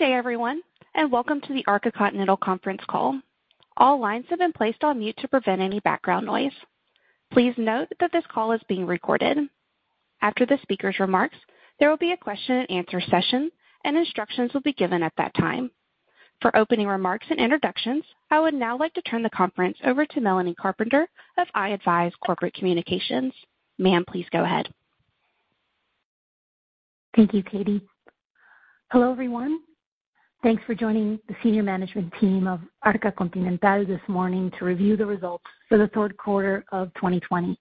Good day everyone, and welcome to the Arca Continental conference call. For opening remarks and introductions, I would now like to turn the conference over to Melanie Carpenter of i-advize Corporate Communications. Ma'am, please go ahead. Thank you, Katie. Hello everyone. Thanks for joining the senior management team of Arca Continental this morning to review the results for the third quarter of 2020.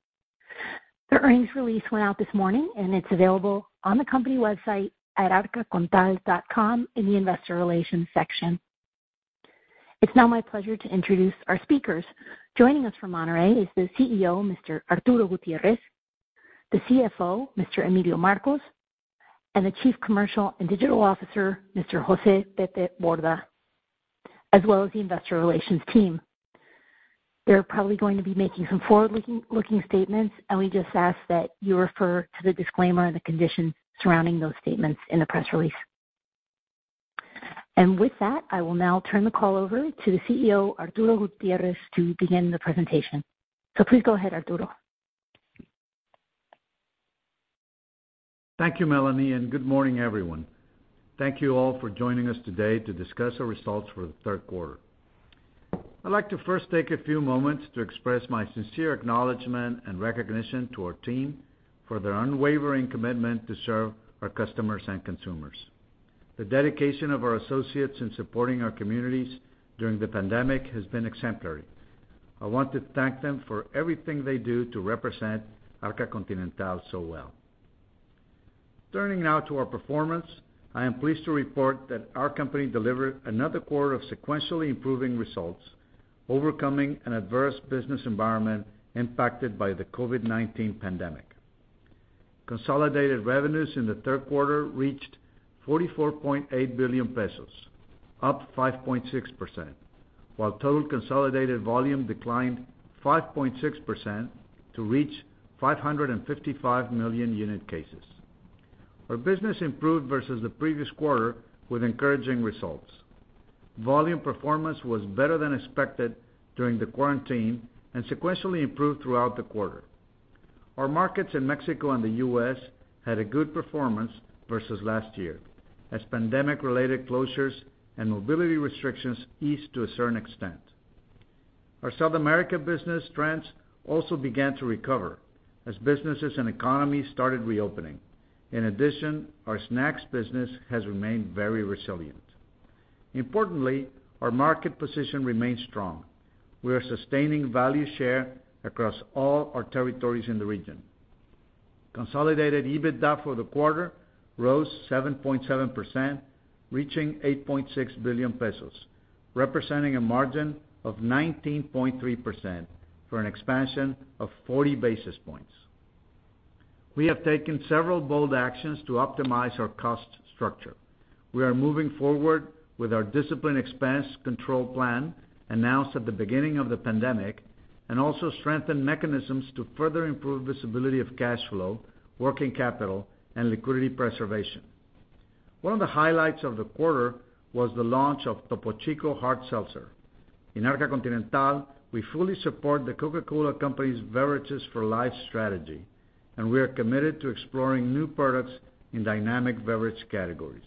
The earnings release went out this morning, and it's available on the company website at arcacontal.com in the investor relations section. It's now my pleasure to introduce our speakers. Joining us from Monterrey is the CEO, Mr. Arturo Gutierrez, the CFO, Mr. Emilio Marcos, and the Chief Commercial and Digital Officer, Mr. Jose Pepe Borda, as well as the investor relations team. They're probably going to be making some forward-looking statements. We just ask that you refer to the disclaimer and the conditions surrounding those statements in the press release. With that, I will now turn the call over to the CEO, Arturo Gutierrez, to begin the presentation. Please go ahead, Arturo. Thank you, Melanie, and good morning, everyone. Thank you all for joining us today to discuss our results for the third quarter. I'd like to first take a few moments to express my sincere acknowledgment and recognition to our team for their unwavering commitment to serve our customers and consumers. The dedication of our associates in supporting our communities during the pandemic has been exemplary. I want to thank them for everything they do to represent Arca Continental so well. Turning now to our performance, I am pleased to report that our company delivered another quarter of sequentially improving results, overcoming an adverse business environment impacted by the COVID-19 pandemic. Consolidated revenues in the third quarter reached 44.8 billion pesos, up five point six percent, while total consolidated volume declined five point six percent to reach 555 million unit cases. Our business improved versus the previous quarter with encouraging results. Volume performance was better than expected during the quarantine and sequentially improved throughout the quarter. Our markets in Mexico and the U.S. had a good performance versus last year, as pandemic-related closures and mobility restrictions eased to a certain extent. Our South America business trends also began to recover as businesses and economies started reopening. In addition, our snacks business has remained very resilient. Importantly, our market position remains strong. We are sustaining value share across all our territories in the region. Consolidated EBITDA for the quarter rose seven point seven, reaching 8.6 billion pesos, representing a margin of 19.3% for an expansion of 40 basis points. We have taken several bold actions to optimize our cost structure. We are moving forward with our disciplined expense control plan announced at the beginning of the pandemic and also strengthened mechanisms to further improve visibility of cash flow, working capital, and liquidity preservation. One of the highlights of the quarter was the launch of Topo Chico Hard Seltzer. In Arca Continental, we fully support The Coca-Cola Company's Beverages for Life strategy, and we are committed to exploring new products in dynamic beverage categories.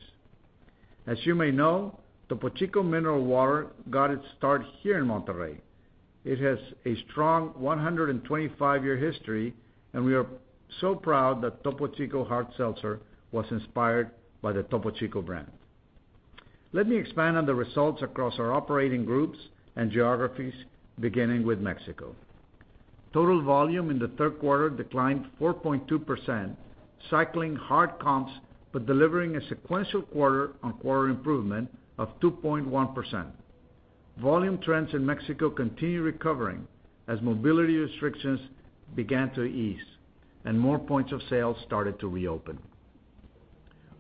As you may know, Topo Chico Sparkling Mineral Water got its start here in Monterrey. It has a strong 125-year history, and we are so proud that Topo Chico Hard Seltzer was inspired by the Topo Chico brand. Let me expand on the results across our operating groups and geographies, beginning with Mexico. Total volume in the third quarter declined four point two percent, cycling hard comps, but delivering a sequential quarter-on-quarter improvement of two point one percent. Volume trends in Mexico continue recovering as mobility restrictions began to ease and more points of sale started to reopen.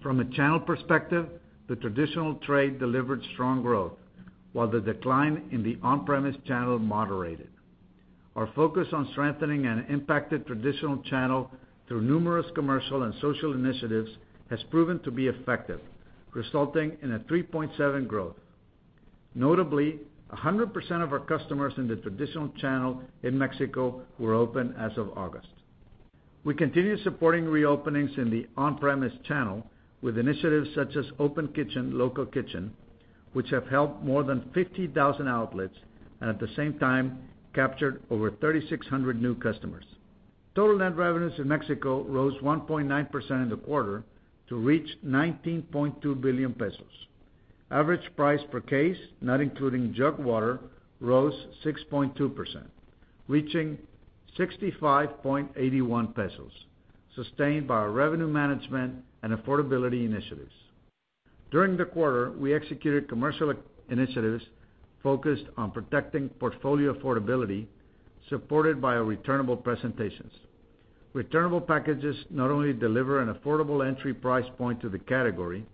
From a channel perspective, the traditional trade delivered strong growth, while the decline in the on-premise channel moderated. Our focus on strengthening an impacted traditional channel through numerous commercial and social initiatives has proven to be effective, resulting in a three point seven growth. Notably, 100% of our customers in the traditional channel in Mexico were open as of August. We continue supporting reopenings in the on-premise channel with initiatives such as Open Kitchen, Local Kitchen, which have helped more than 50,000 outlets, and at the same time captured over 3,600 new customers. Total net revenues in Mexico rose one point nine percent in the quarter to reach 19.2 billion pesos. Average price per case, not including jug water, rose six point two percent, reaching 65.81 pesos, sustained by our revenue management and affordability initiatives. During the quarter, we executed commercial initiatives focused on protecting portfolio affordability, supported by our returnable presentations. Returnable packages not only deliver an affordable entry price point to the category,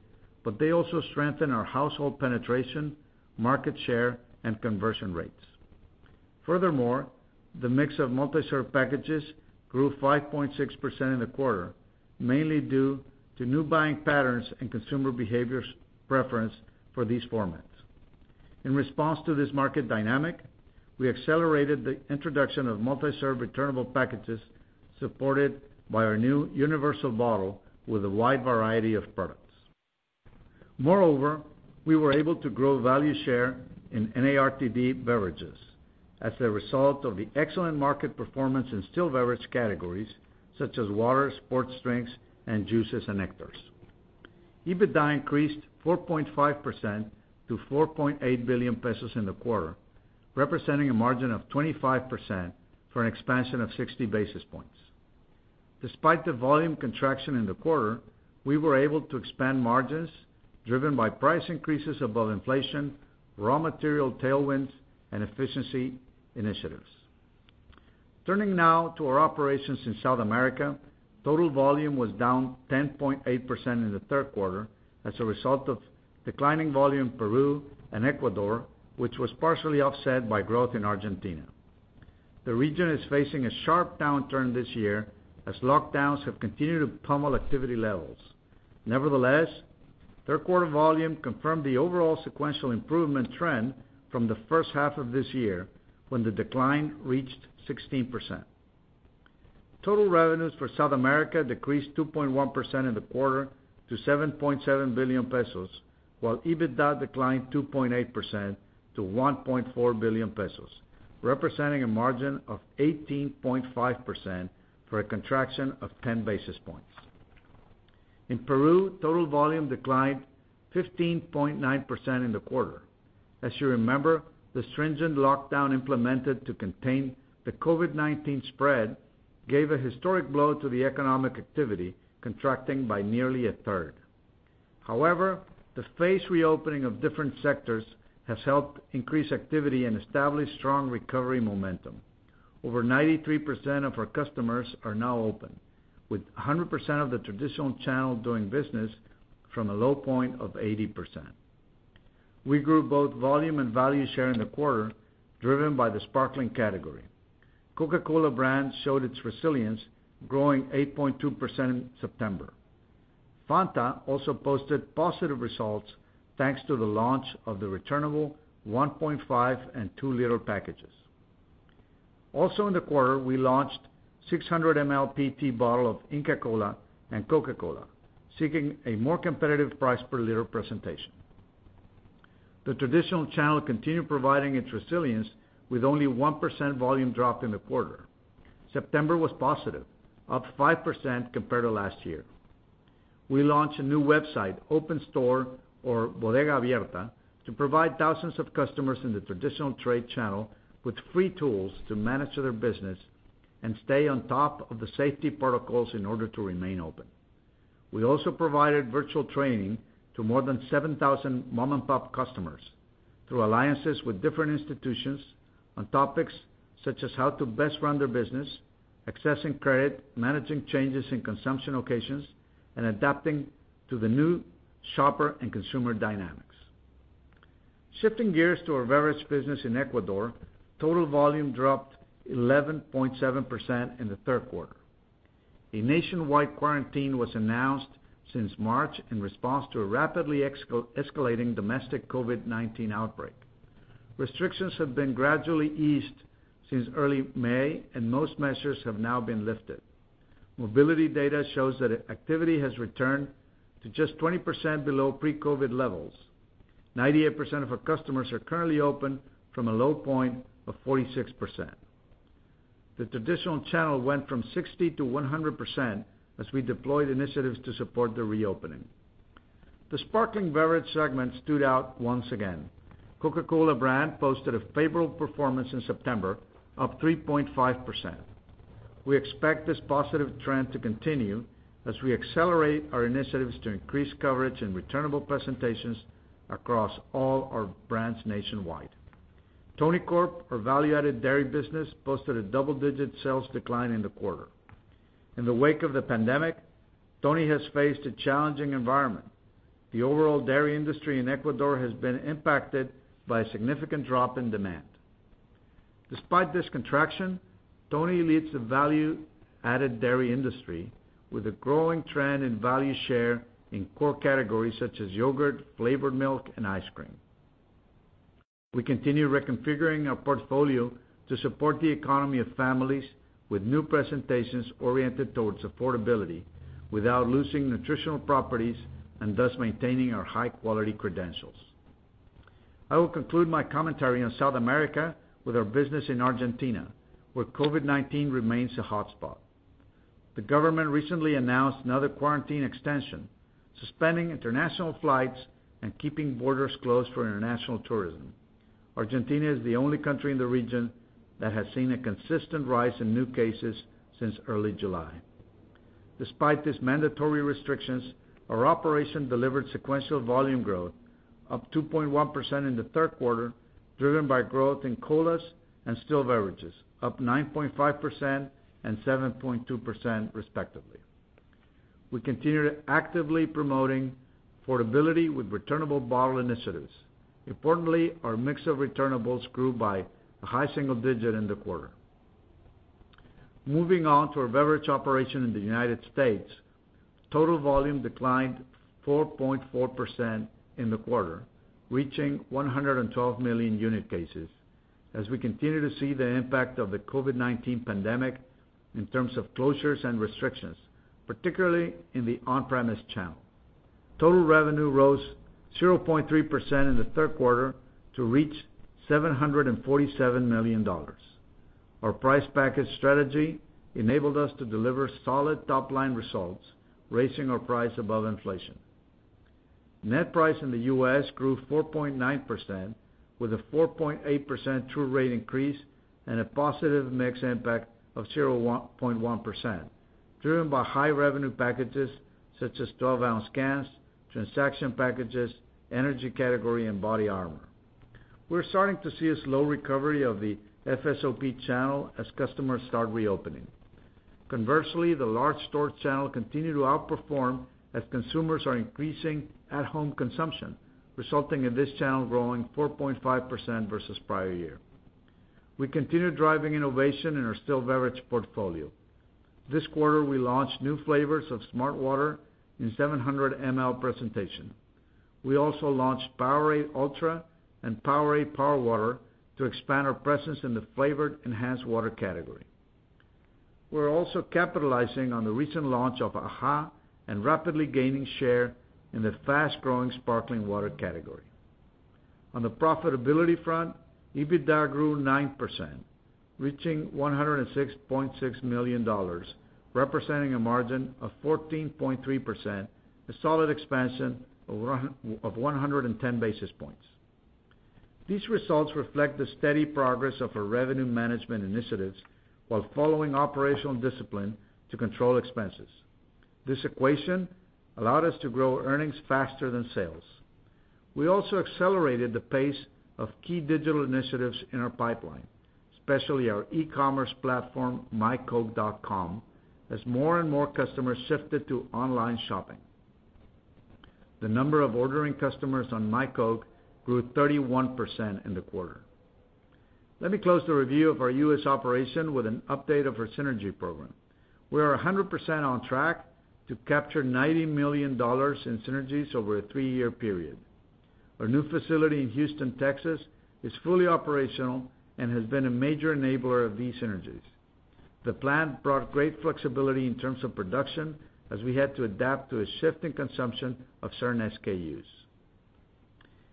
but they also strengthen our household penetration, market share, and conversion rates. The mix of multi-serve packages grew five point six percent in the quarter, mainly due to new buying patterns and consumer behaviors preference for these formats. In response to this market dynamic, we accelerated the introduction of multi-serve returnable packages supported by our new universal bottle with a wide variety of products. We were able to grow value share in NARTD beverages as a result of the excellent market performance in still beverage categories such as water, sports drinks, and juices and nectars. EBITDA increased four point five percent to 4.8 billion pesos in the quarter, representing a margin of 25% for an expansion of 60 basis points. Despite the volume contraction in the quarter, we were able to expand margins driven by price increases above inflation, raw material tailwinds, and efficiency initiatives. Turning now to our operations in South America, total volume was down 10.8% in the third quarter as a result of declining volume in Peru and Ecuador, which was partially offset by growth in Argentina. The region is facing a sharp downturn this year as lockdowns have continued to pummel activity levels. Nevertheless, third quarter volume confirmed the overall sequential improvement trend from the first half of this year, when the decline reached 16%. Total revenues for South America decreased two point one percent in the quarter to 7.7 billion pesos, while EBITDA declined two point eight percent to 1.4 billion pesos, representing a margin of 18.5% for a contraction of 10 basis points. In Peru, total volume declined 15.9% in the quarter. As you remember, the stringent lockdown implemented to contain the COVID-19 spread gave a historic blow to the economic activity, contracting by nearly a third. The phased reopening of different sectors has helped increase activity and establish strong recovery momentum. Over 93% of our customers are now open, with 100% of the traditional channel doing business from a low point of 80%. We grew both volume and value share in the quarter, driven by the sparkling category. Coca-Cola brand showed its resilience, growing eight point two percent in September. Fanta also posted positive results, thanks to the launch of the returnable one point five and two Litre packages. Also in the quarter, we launched 600 mL PET bottle of Inca Kola and Coca-Cola, seeking a more competitive price per liter presentation. The traditional channel continued providing its resilience with only one percent volume drop in the quarter. September was positive, up five percent compared to last year. We launched a new website, Open Store or Bodega Abierta, to provide thousands of customers in the traditional trade channel with free tools to manage their business and stay on top of the safety protocols in order to remain open. We also provided virtual training to more than 7,000 mom-and-pop customers through alliances with different institutions on topics such as how to best run their business, accessing credit, managing changes in consumption occasions, and adapting to the new shopper and consumer dynamics. Shifting gears to our beverage business in Ecuador, total volume dropped 11.7% in the third quarter. A nationwide quarantine was announced since March in response to a rapidly escalating domestic COVID-19 outbreak. Restrictions have been gradually eased since early May, and most measures have now been lifted. Mobility data shows that activity has returned to just 20% below pre-COVID levels. 98% of our customers are currently open from a low point of 46%. The traditional channel went from 60% to 100% as we deployed initiatives to support the reopening. The sparkling beverage segment stood out once again. Coca-Cola brand posted a favorable performance in September, up three point five percent. We expect this positive trend to continue as we accelerate our initiatives to increase coverage in returnable presentations across all our brands nationwide. Tonicorp, our value-added dairy business, posted a double-digit sales decline in the quarter. In the wake of the pandemic, Tonicorp has faced a challenging environment. The overall dairy industry in Ecuador has been impacted by a significant drop in demand. Despite this contraction, Tonicorp leads the value-added dairy industry with a growing trend in value share in core categories such as yogurt, flavored milk, and ice cream. We continue reconfiguring our portfolio to support the economy of families with new presentations oriented towards affordability without losing nutritional properties and thus maintaining our high-quality credentials. I will conclude my commentary on South America with our business in Argentina, where COVID-19 remains a hotspot. The government recently announced another quarantine extension, suspending international flights and keeping borders closed for international tourism. Argentina is the only country in the region that has seen a consistent rise in new cases since early July. Despite these mandatory restrictions, our operation delivered sequential volume growth up two point one percent in the third quarter, driven by growth in colas and still beverages, up nine point five percent and seven point two percent respectively. We continue actively promoting affordability with returnable bottle initiatives. Importantly, our mix of returnables grew by a high single digit in the quarter. Moving on to our beverage operation in the United States, total volume declined four point four percent in the quarter, reaching 112 million unit cases, as we continue to see the impact of the COVID-19 pandemic in terms of closures and restrictions, particularly in the on-premise channel. Total revenue rose zero point three percent in the third quarter to reach $747 million. Our price package strategy enabled us to deliver solid top-line results, raising our price above inflation. Net price in the U.S. grew four point nine percent, with a four point eight percent true rate increase and a positive mix impact of zero point one percent, driven by high-revenue packages such as 12-ounce cans, transaction packages, energy category, and BODYARMOR. We're starting to see a slow recovery of the FSOP channel as customers start reopening. Conversely, the large store channel continued to outperform as consumers are increasing at-home consumption, resulting in this channel growing four point five versus prior year. We continue driving innovation in our still beverage portfolio. This quarter, we launched new flavors of smartwater in 700 ml presentation. We also launched POWERADE ULTRA and POWERADE POWER WATER to expand our presence in the flavored enhanced water category. We're also capitalizing on the recent launch of AHA and rapidly gaining share in the fast-growing sparkling water category. On the profitability front, EBITDA grew nine percent, reaching $106.6 million, representing a margin of 14.3%, a solid expansion of 110 basis points. These results reflect the steady progress of our revenue management initiatives while following operational discipline to control expenses. This equation allowed us to grow earnings faster than sales. We also accelerated the pace of key digital initiatives in our pipeline, especially our e-commerce platform, myCoke.com, as more and more customers shifted to online shopping. The number of ordering customers on myCoke grew 31% in the quarter. Let me close the review of our U.S. operation with an update of our synergy program. We are 100% on track to capture $90 million in synergies over a three-year period. Our new facility in Houston, Texas, is fully operational and has been a major enabler of these synergies. The plant brought great flexibility in terms of production as we had to adapt to a shift in consumption of certain SKUs.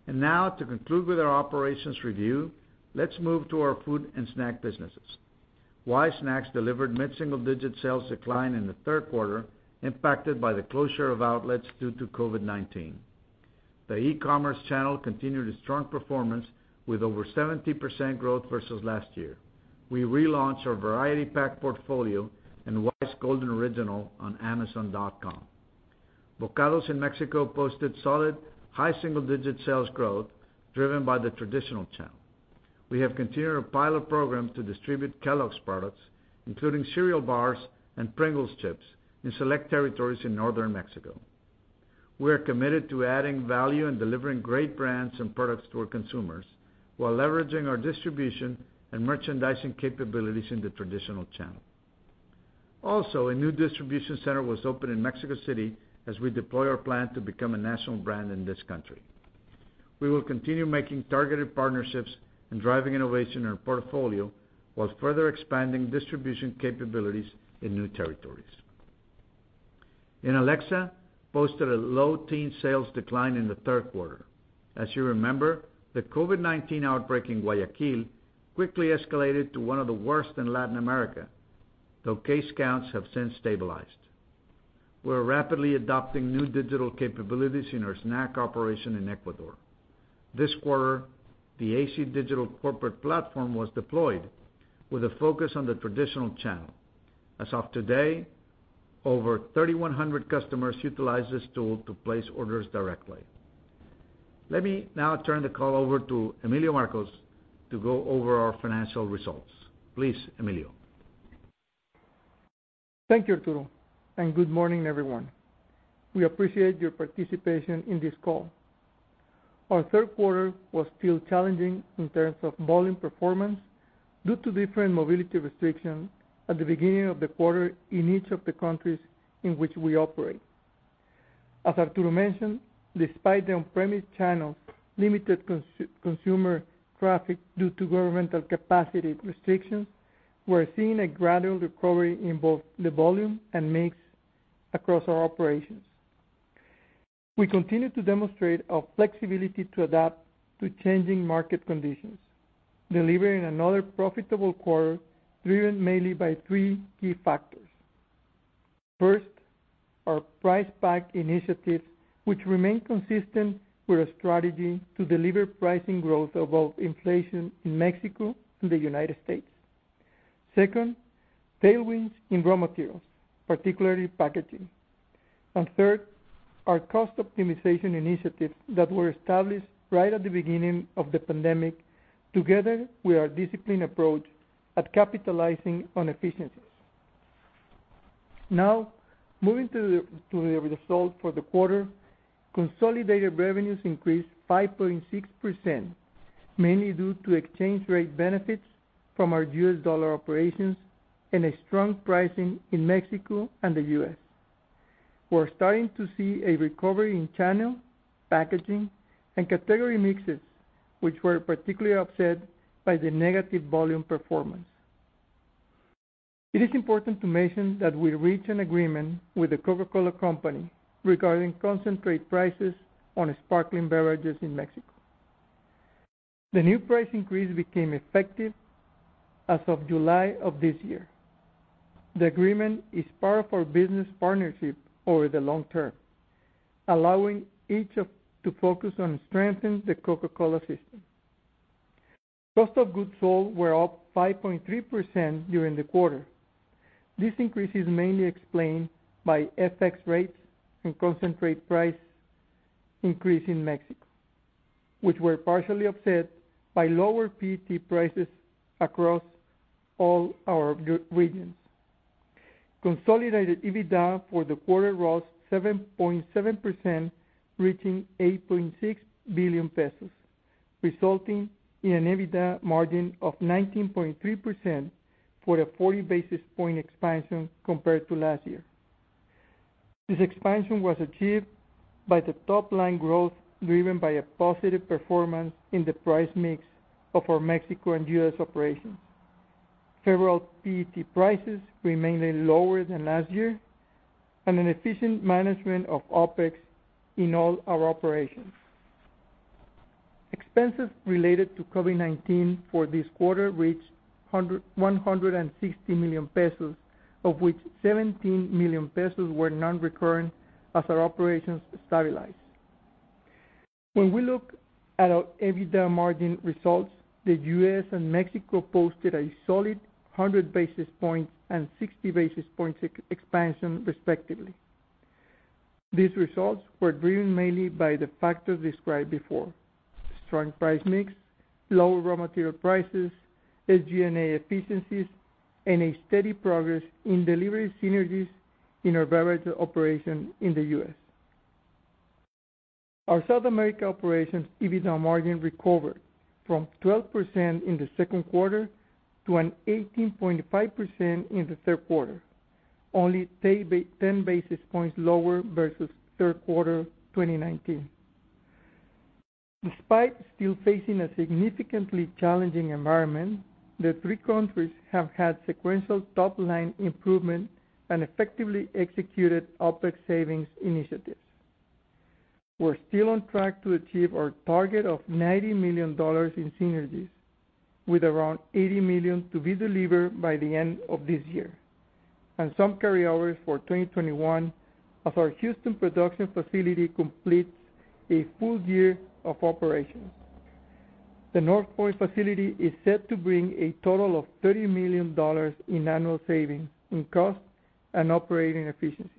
Now, to conclude with our operations review, let's move to our food and snack businesses. Wise Snacks delivered mid-single-digit sales decline in the third quarter, impacted by the closure of outlets due to COVID-19. The e-commerce channel continued its strong performance with over 70% growth versus last year. We relaunched our variety pack portfolio and Wise Golden Original on amazon.com. Bokados in Mexico posted solid high single-digit sales growth driven by the traditional channel. We have continued our pilot program to distribute Kellogg's products, including cereal bars and Pringles chips, in select territories in northern Mexico. We are committed to adding value and delivering great brands and products to our consumers while leveraging our distribution and merchandising capabilities in the traditional channel. Also, a new distribution center was opened in Mexico City as we deploy our plan to become a national brand in this country. We will continue making targeted partnerships and driving innovation in our portfolio while further expanding distribution capabilities in new territories. Inalecsa posted a low teen sales decline in the third quarter. As you remember, the COVID-19 outbreak in Guayaquil quickly escalated to one of the worst in Latin America, though case counts have since stabilized. We're rapidly adopting new digital capabilities in our snack operation in Ecuador. This quarter, the AC Digital Corporate Platform was deployed with a focus on the traditional channel. As of today, over 3,100 customers utilize this tool to place orders directly. Let me now turn the call over to Emilio Marcos to go over our financial results. Please, Emilio. Thank you, Arturo, and good morning, everyone. We appreciate your participation in this call. Our third quarter was still challenging in terms of volume performance due to different mobility restrictions at the beginning of the quarter in each of the countries in which we operate. As Arturo mentioned, despite the on-premise channel's limited consumer traffic due to governmental capacity restrictions, we're seeing a gradual recovery in both the volume and mix across our operations. We continue to demonstrate our flexibility to adapt to changing market conditions, delivering another profitable quarter driven mainly by three key factors. First, our price pack initiatives, which remain consistent with our strategy to deliver pricing growth above inflation in Mexico and the United States. Second, tailwinds in raw materials, particularly packaging. Third, our cost optimization initiatives that were established right at the beginning of the pandemic. Together with our disciplined approach at capitalizing on efficiencies. Moving to the result for the quarter, consolidated revenues increased five point six percent, mainly due to exchange rate benefits from our US dollar operations and a strong pricing in Mexico and the US. We're starting to see a recovery in channel, packaging, and category mixes, which were particularly upset by the negative volume performance. It is important to mention that we reached an agreement with the Coca-Cola Company regarding concentrate prices on sparkling beverages in Mexico. The new price increase became effective as of July of this year. The agreement is part of our business partnership over the long term, allowing each to focus on strengthening the Coca-Cola system. Cost of goods sold were up five point three percent during the quarter. This increase is mainly explained by FX rates and concentrate price increase in Mexico, which were partially offset by lower PET prices across all our regions. Consolidated EBITDA for the quarter rose seven point seven percent, reaching 8.6 billion pesos, resulting in an EBITDA margin of 19.3% for a 40 basis point expansion compared to last year. This expansion was achieved by the top-line growth, driven by a positive performance in the price mix of our Mexico and U.S. operations. Several PET prices remained lower than last year, and an efficient management of OpEx in all our operations. Expenses related to COVID-19 for this quarter reached 160 million pesos, of which 17 million pesos were non-recurring as our operations stabilized. When we look at our EBITDA margin results, the U.S. and Mexico posted a solid 100 basis points and 60 basis points expansion, respectively. These results were driven mainly by the factors described before. Strong price mix, low raw material prices, SG&A efficiencies, and a steady progress in delivering synergies in our beverage operation in the U.S. Our South America operations EBITDA margin recovered from 12% in the second quarter to an 18.5% in the third quarter, only 10 basis points lower versus third quarter 2019. Despite still facing a significantly challenging environment, the three countries have had sequential top-line improvement and effectively executed OpEx savings initiatives. We're still on track to achieve our target of $90 million in synergies, with around 80 million to be delivered by the end of this year, and some carryovers for 2021 as our Houston production facility completes a full year of operations. The Northpoint facility is set to bring a total of MXN 30 million in annual savings in cost and operating efficiencies.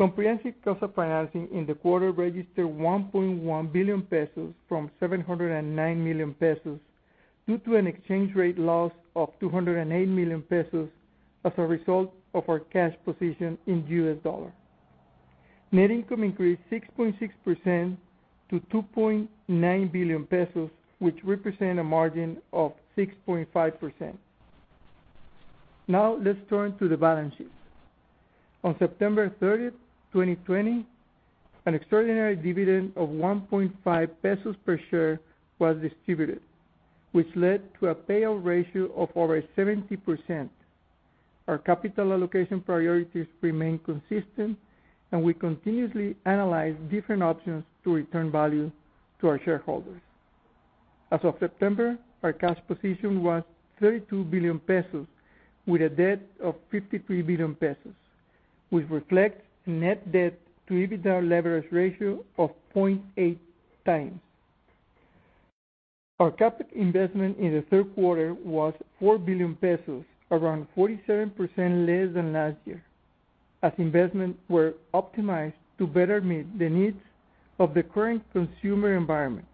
Comprehensive cost of financing in the quarter registered 1.1 billion pesos from 709 million pesos due to an exchange rate loss of 208 million pesos as a result of our cash position in U.S. dollar. Net income increased six point six percent to 2.9 billion pesos, which represent a margin of six point five percent. Now, let's turn to the balance sheet. On September 30th, 2020, an extraordinary dividend of 1.5 pesos per share was distributed, which led to a payout ratio of over 70%. Our capital allocation priorities remain consistent, and we continuously analyze different options to return value to our shareholders. As of September, our cash position was 32 billion pesos, with a debt of 53 billion pesos, which reflects net debt to EBITDA leverage ratio of 0.8 times. Our CapEx investment in the third quarter was 4 billion pesos, around 47% less than last year, as investments were optimized to better meet the needs of the current consumer environment.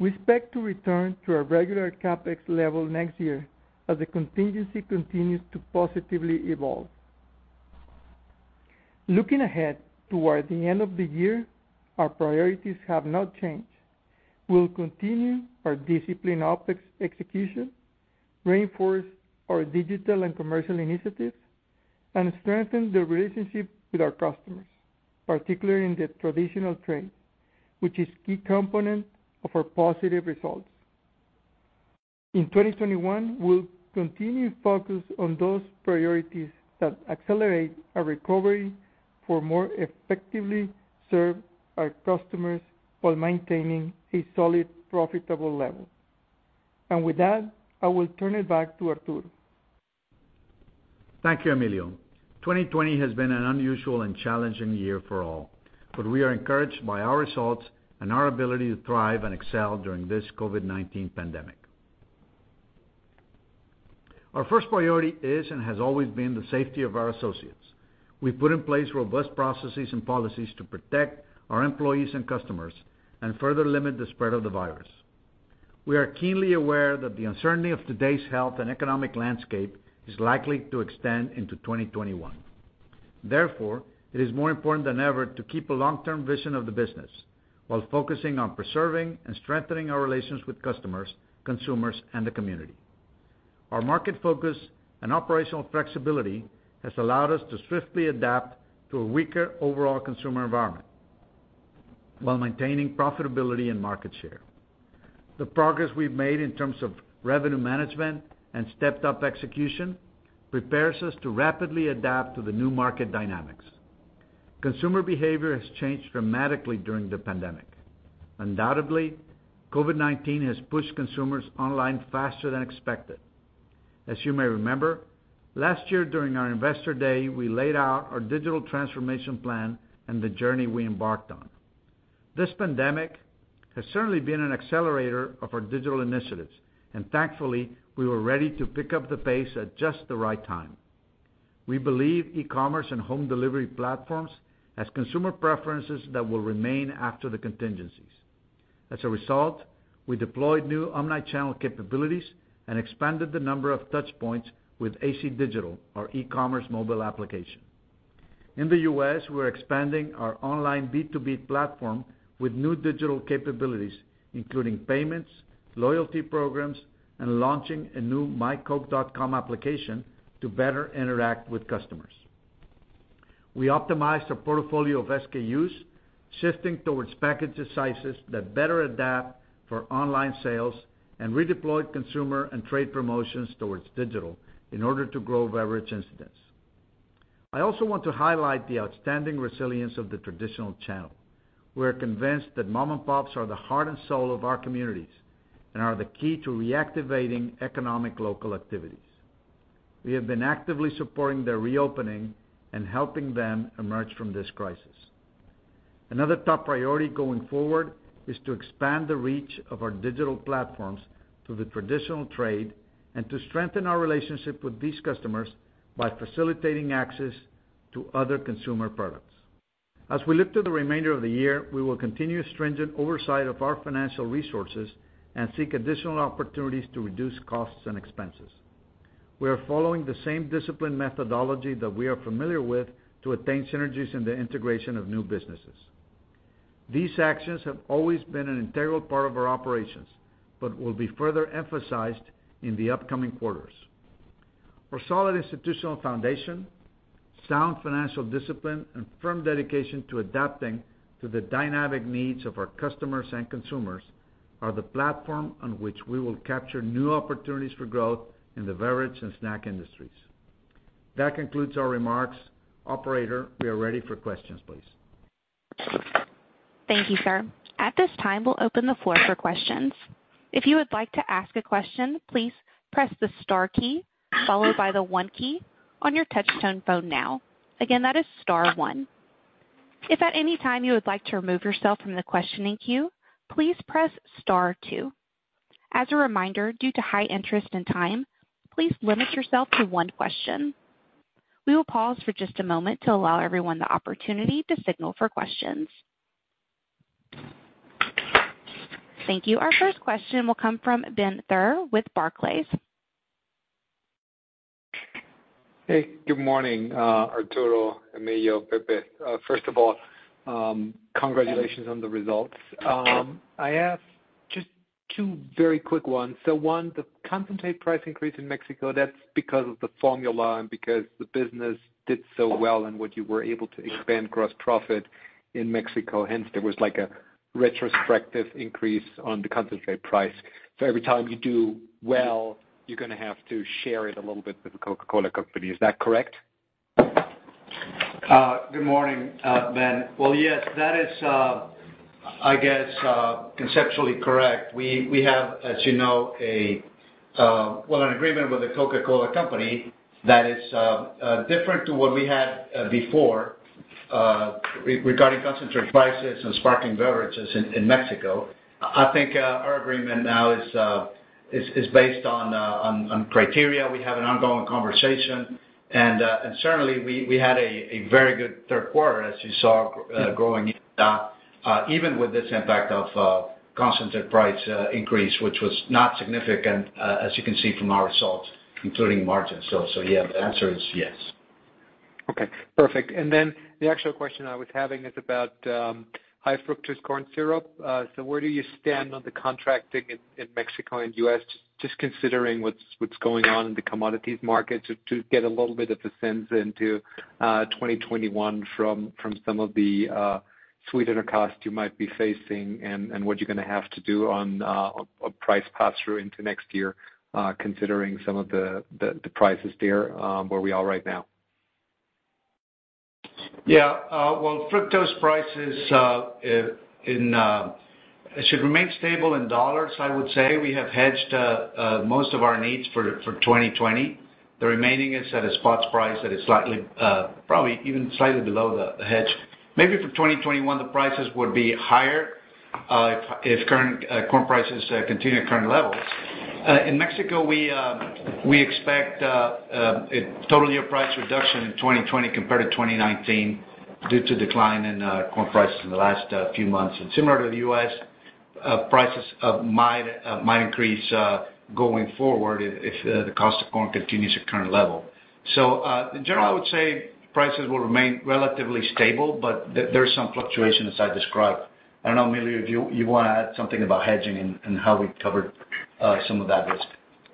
We expect to return to our regular CapEx level next year as the contingency continues to positively evolve. Looking ahead toward the end of the year, our priorities have not changed. We'll continue our disciplined OpEx execution, reinforce our digital and commercial initiatives, and strengthen the relationship with our customers, particularly in the traditional trade, which is key component of our positive results. In 2021, we'll continue to focus on those priorities that accelerate our recovery for more effectively serve our customers while maintaining a solid, profitable level. With that, I will turn it back to Arturo. Thank you, Emilio. 2020 has been an unusual and challenging year for all, but we are encouraged by our results and our ability to thrive and excel during this COVID-19 pandemic. Our first priority is and has always been the safety of our associates. We've put in place robust processes and policies to protect our employees and customers and further limit the spread of the virus. We are keenly aware that the uncertainty of today's health and economic landscape is likely to extend into 2021. Therefore, it is more important than ever to keep a long-term vision of the business while focusing on preserving and strengthening our relations with customers, consumers, and the community. Our market focus and operational flexibility has allowed us to swiftly adapt to a weaker overall consumer environment while maintaining profitability and market share. The progress we've made in terms of revenue management and stepped-up execution prepares us to rapidly adapt to the new market dynamics. Consumer behavior has changed dramatically during the pandemic. Undoubtedly, COVID-19 has pushed consumers online faster than expected. As you may remember, last year during our investor day, we laid out our digital transformation plan and the journey we embarked on. This pandemic has certainly been an accelerator of our digital initiatives, and thankfully, we were ready to pick up the pace at just the right time. We believe e-commerce and home delivery platforms as consumer preferences that will remain after the contingencies. As a result, we deployed new omni-channel capabilities and expanded the number of touchpoints with AC Digital, our e-commerce mobile application. In the U.S., we're expanding our online B2B platform with new digital capabilities, including payments, loyalty programs, and launching a new myCoke.com application to better interact with customers. We optimized a portfolio of SKUs, shifting towards package sizes that better adapt for online sales and redeployed consumer and trade promotions towards digital in order to grow beverage incidents. I also want to highlight the outstanding resilience of the traditional channel. We are convinced that mom-and-pops are the heart and soul of our communities and are the key to reactivating economic local activities. We have been actively supporting their reopening and helping them emerge from this crisis. Another top priority going forward is to expand the reach of our digital platforms to the traditional trade and to strengthen our relationship with these customers by facilitating access to other consumer products. As we look to the remainder of the year, we will continue stringent oversight of our financial resources and seek additional opportunities to reduce costs and expenses. We are following the same disciplined methodology that we are familiar with to attain synergies in the integration of new businesses. These actions have always been an integral part of our operations but will be further emphasized in the upcoming quarters. Our solid institutional foundation, sound financial discipline, and firm dedication to adapting to the dynamic needs of our customers and consumers are the platform on which we will capture new opportunities for growth in the beverage and snack industries. That concludes our remarks. Operator, we are ready for questions, please. Thank you, sir. At this time, we'll open the floor for questions. As a reminder, due to high interest and time, please limit yourself to one question. We will pause for just a moment to allow everyone the opportunity to signal for questions. Thank you. Our first question will come from Ben Theurer with Barclays. Hey, good morning, Arturo, Emilio, Pepe. First of all, congratulations on the results. I have just two very quick ones. One, the concentrate price increase in Mexico, that's because of the formula and because the business did so well and what you were able to expand gross profit in Mexico, hence there was like a retrospective increase on the concentrate price. Every time you do well, you're going to have to share it a little bit with The Coca-Cola Company. Is that correct? Good morning, Ben. Well, yes, that is conceptually correct. We have, as you know, an agreement with The Coca-Cola Company that is different to what we had before regarding concentrate prices and sparkling beverages in Mexico. I think our agreement now is based on criteria. We have an ongoing conversation. Certainly, we had a very good third quarter, as you saw growing even with this impact of concentrate price increase, which was not significant as you can see from our results, including margins. Yeah, the answer is yes. Okay, perfect. Then the actual question I was having is about high fructose corn syrup. Where do you stand on the contracting in Mexico and U.S., just considering what's going on in the commodities market to get a little bit of a sense into 2021 from some of the sweetener cost you might be facing and what you're going to have to do on a price pass-through into next year, considering some of the prices there, where we are right now? Well, fructose prices should remain stable in dollars, I would say. We have hedged most of our needs for 2020. The remaining is at a spot price that is probably even slightly below the hedge. Maybe for 2021, the prices would be higher if current corn prices continue at current levels. In Mexico, we expect a total year price reduction in 2020 compared to 2019 due to decline in corn prices in the last few months. Similar to the U.S., prices might increase going forward if the cost of corn continues at current level. In general, I would say prices will remain relatively stable, but there's some fluctuation as I described. I don't know, Emilio, if you want to add something about hedging and how we covered some of that risk.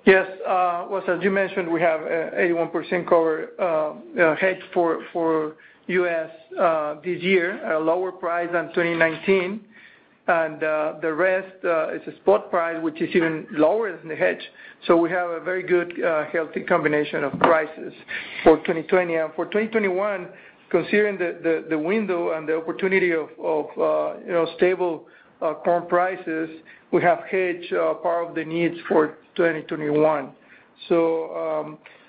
Yes. Well, as you mentioned, we have 81% cover hedge for U.S. this year, a lower price than 2019. The rest is a spot price, which is even lower than the hedge. We have a very good, healthy combination of prices for 2020. For 2021, considering the window and the opportunity of stable corn prices, we have hedged part of the needs for 2021.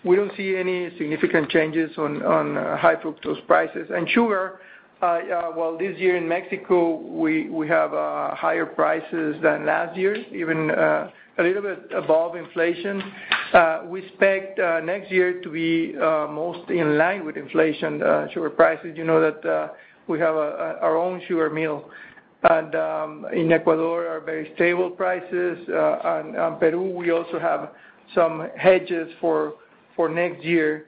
We don't see any significant changes on high fructose prices. Sugar, well, this year in Mexico, we have higher prices than last year, even a little bit above inflation. We expect next year to be mostly in line with inflation sugar prices. You know that we have our own sugar mill. In Ecuador, are very stable prices. On Peru, we also have some hedges for next year,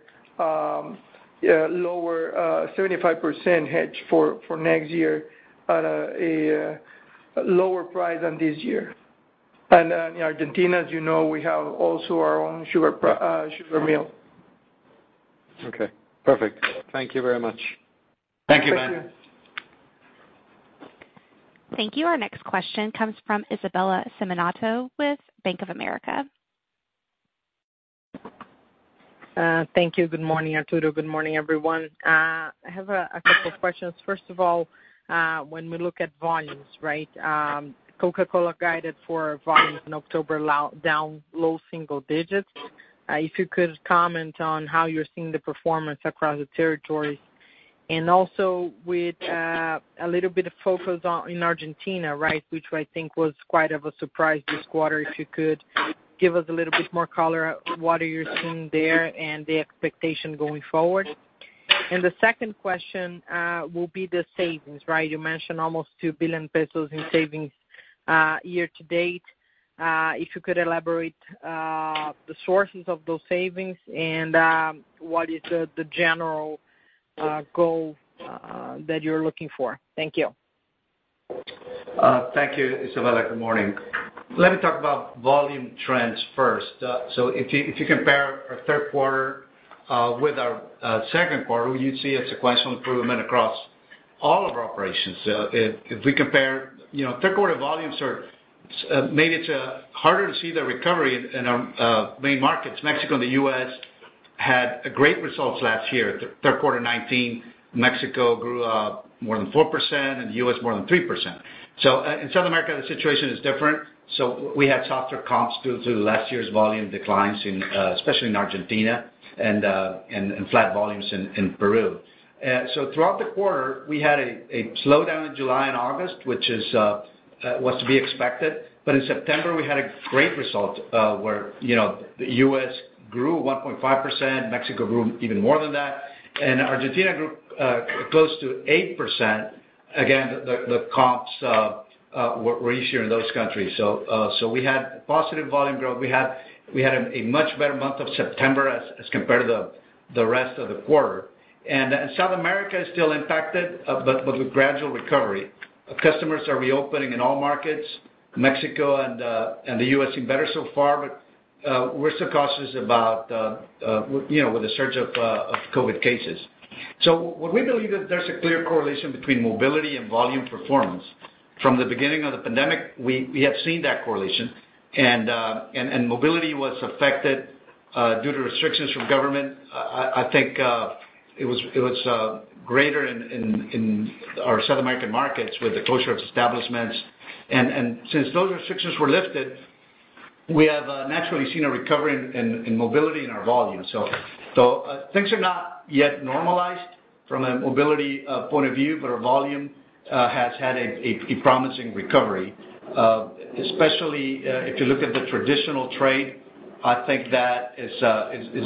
lower 75% hedge for next year at a lower price than this year. In Argentina, as you know, we have also our own sugar mill. Okay, perfect. Thank you very much. Thank you. Thank you, man. Thank you. Our next question comes from Isabella Simonato with Bank of America. Thank you. Good morning, Arturo. Good morning, everyone. I have a couple questions. First of all, when we look at volumes, right? Coca-Cola guided for volumes in October down low single digits. If you could comment on how you're seeing the performance across the territory. Also with a little bit of focus on in Argentina, right, which I think was quite of a surprise this quarter. If you could give us a little bit more color what you're seeing there and the expectation going forward. The second question will be the savings, right? You mentioned almost 2 billion pesos in savings year to date. If you could elaborate the sources of those savings and what is the general goal that you're looking for. Thank you. Thank you, Isabella. Good morning. Let me talk about volume trends first. If you compare our third quarter with our second quarter, you'd see a sequential improvement across all of our operations. If we compare, it's harder to see the recovery in our main markets. Mexico and the U.S. had great results last year, third quarter 2019, Mexico grew more than four percent and the U.S. more than three percent. In South America, the situation is different. We had softer comps due to last year's volume declines especially in Argentina and flat volumes in Peru. Throughout the quarter, we had a slowdown in July and August, which was to be expected. In September, we had a great result, where the U.S. grew one point five percent, Mexico grew even more than that, and Argentina grew close to eight percent. Again, the comps were easier in those countries. We had positive volume growth. We had a much better month of September as compared to the rest of the quarter. South America is still impacted, but with gradual recovery. Customers are reopening in all markets. Mexico and the U.S. seem better so far, but we're still cautious about with the surge of COVID-19 cases. What we believe that there's a clear correlation between mobility and volume performance. From the beginning of the pandemic, we have seen that correlation, and mobility was affected due to restrictions from government. I think it was greater in our South American markets with the closure of establishments. Since those restrictions were lifted, we have naturally seen a recovery in mobility in our volume. Things are not yet normalized from a mobility point of view, but our volume has had a promising recovery. Especially, if you look at the traditional trade, I think that is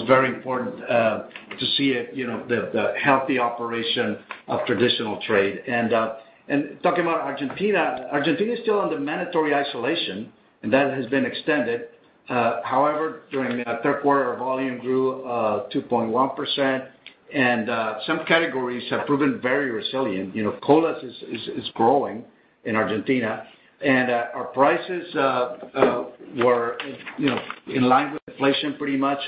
very important to see the healthy operation of traditional trade. Talking about Argentina is still under mandatory isolation, and that has been extended. However, during the third quarter, our volume grew two point one percent, and some categories have proven very resilient. Colas is growing in Argentina. Our prices were in line with inflation pretty much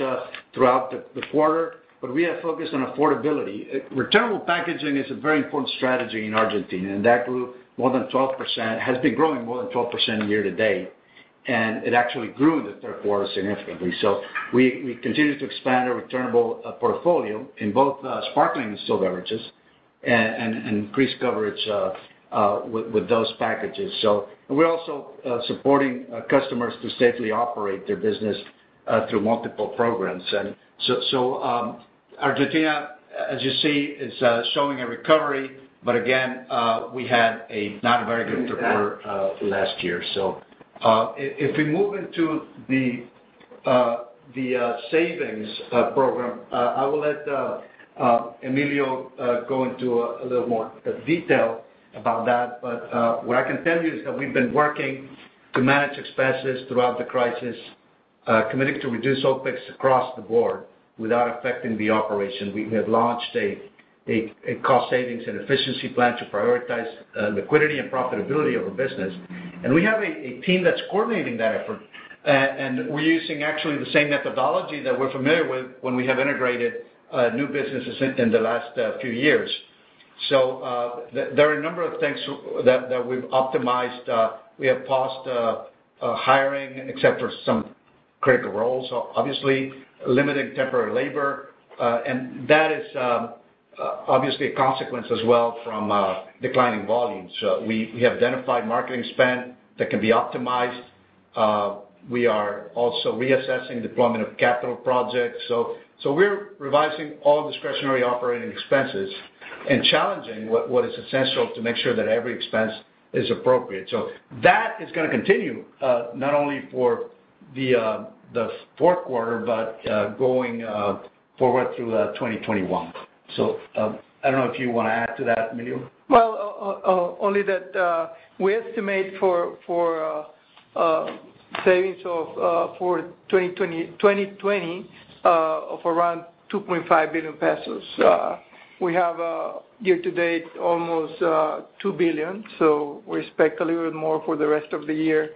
throughout the quarter, but we have focused on affordability. Returnable packaging is a very important strategy in Argentina, and that has been growing more than 12% year to date, and it actually grew in the third quarter significantly. We continue to expand our returnable portfolio in both sparkling and still beverages and increase coverage with those packages. We're also supporting customers to safely operate their business through multiple programs. Argentina, as you see, is showing a recovery, but again, we had a not very good quarter last year. If we move into The savings program. I will let Emilio go into a little more detail about that. What I can tell you is that we've been working to manage expenses throughout the crisis, committed to reduce OpEx across the board without affecting the operation. We have launched a Cost Savings and Efficiency Plan to prioritize liquidity and profitability of the business. We have a team that's coordinating that effort. We're using actually the same methodology that we're familiar with when we have integrated new businesses in the last few years. There are a number of things that we've optimized. We have paused hiring, except for some critical roles, obviously. Limited temporary labor. That is obviously a consequence as well from declining volumes. We have identified marketing spend that can be optimized. We are also reassessing deployment of capital projects. We're revising all discretionary operating expenses and challenging what is essential to make sure that every expense is appropriate. That is going to continue, not only for the fourth quarter, but going forward through 2021. I don't know if you want to add to that, Emilio? Well, only that we estimate for savings for 2020 of around 2.5 billion pesos. We have year-to-date almost 2 billion, we expect a little bit more for the rest of the year.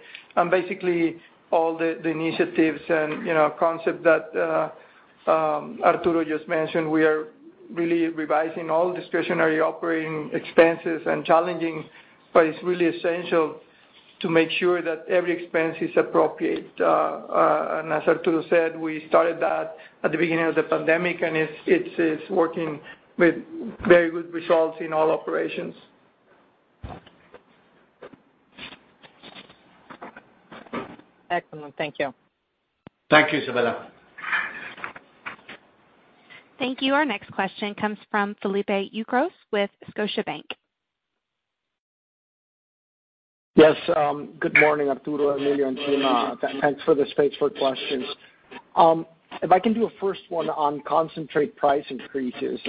Basically all the initiatives and concept that Arturo just mentioned, we are really revising all discretionary operating expenses and challenging, but it's really essential to make sure that every expense is appropriate. As Arturo said, we started that at the beginning of the pandemic, and it's working with very good results in all operations. Excellent. Thank you. Thank you, Isabella. Thank you. Our next question comes from Felipe Ucros with Scotiabank. Yes. Good morning, Arturo, Emilio, and team. Thanks for the space for questions. If I can do a first one on concentrate price increases.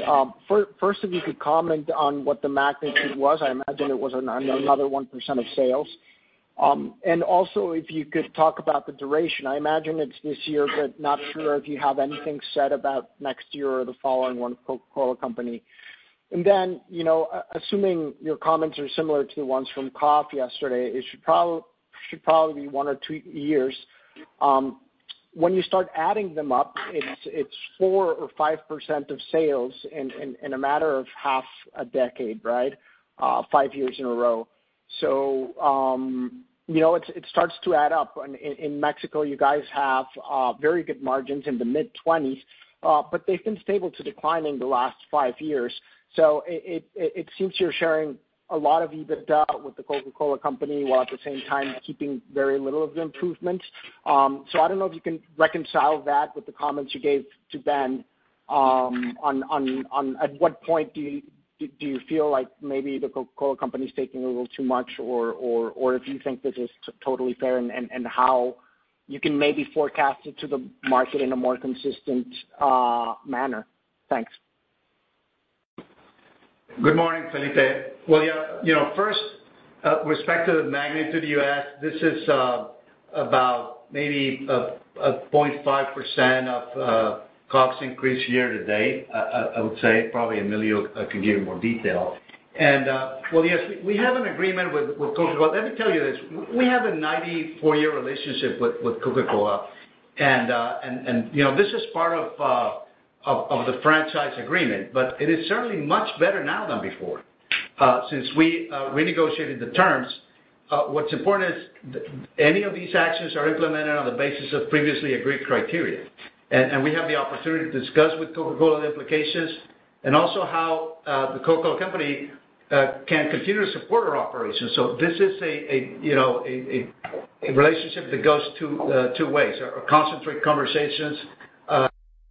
First, if you could comment on what the magnitude was. I imagine it was another one percent of sales. Also, if you could talk about the duration. I imagine it's this year, but not sure if you have anything said about next year or the following one with Coca-Cola Company. Then, assuming your comments are similar to the ones from Coke yesterday, it should probably be one or two years. When you start adding them up, it's four to five percent of sales in a matter of half a decade, right? Five years in a row. It starts to add up. In Mexico, you guys have very good margins in the mid-20s, but they've been stable to declining the last five years. It seems you're sharing a lot of EBITDA with the Coca-Cola Company while at the same time keeping very little of the improvements. I don't know if you can reconcile that with the comments you gave to Ben on at what point do you feel like maybe the Coca-Cola Company is taking a little too much, or if you think this is totally fair and how you can maybe forecast it to the market in a more consistent manner. Thanks. Good morning, Felipe. Well, first, with respect to the magnitude you asked, this is about maybe a point five percent of COGS increase year to date, I would say. Probably Emilio can give you more detail. Well, yes, we have an agreement with Coca-Cola. Let me tell you this. We have a 94-year relationship with Coca-Cola. This is part of the franchise agreement, but it is certainly much better now than before since we renegotiated the terms. What's important is any of these actions are implemented on the basis of previously agreed criteria. We have the opportunity to discuss with Coca-Cola the implications and also how the Coca-Cola Company can continue to support our operations. This is a relationship that goes two ways. Our concentrate conversations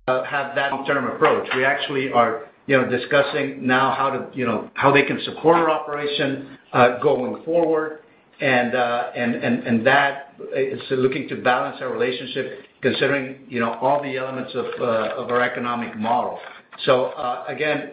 have that long-term approach. We actually are discussing now how they can support our operation going forward, and that is looking to balance our relationship considering all the elements of our economic model. Again,